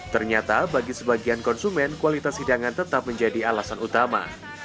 ternyata bagi sebagian konsumen kualitas hidangan tetap menjadi alasan utama